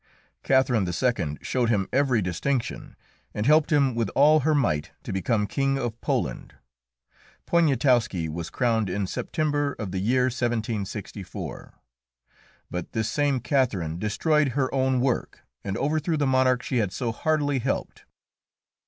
Catherine II. showed him every distinction, and helped him with all her might to become King of Poland. Poniatowski was crowned in September of the year 1764. But this same Catherine destroyed her own work and overthrew the monarch she had so heartily helped.